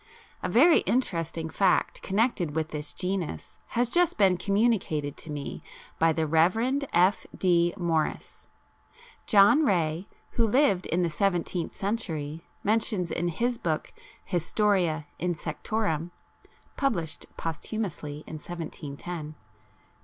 A very interesting fact connected with this genus has just been communicated to me by the Rev. F. D. Morice. John Ray, who lived in the seventeenth century, mentions in his book Historia Insectorum (published posthumously in 1710), p.